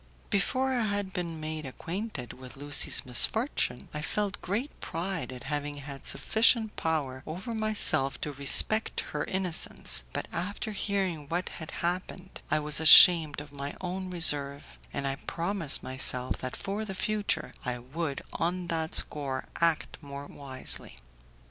Before I had been made acquainted with Lucie's misfortune I felt great pride at having had sufficient power over myself to respect her innocence; but after hearing what had happened I was ashamed of my own reserve, and I promised myself that for the future I would on that score act more wisely.